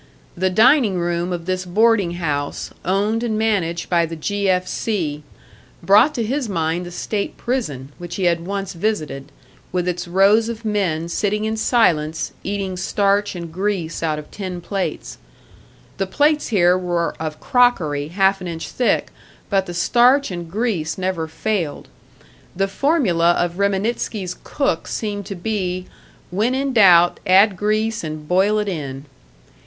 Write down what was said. The dining room of this boarding house, owned and managed by the G. F. C., brought to his mind the state prison, which he had once visited with its rows of men sitting in silence, eating starch and grease out of tin plates. The plates here were of crockery half an inch thick, but the starch and grease never failed; the formula of Reminitsky's cook seemed to be, When in doubt add grease, and boil it in.